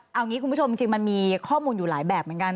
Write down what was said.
เอางี้คุณผู้ชมจริงมันมีข้อมูลอยู่หลายแบบเหมือนกัน